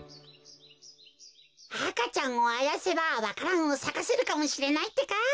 赤ちゃんをあやせばわか蘭をさかせるかもしれないってか。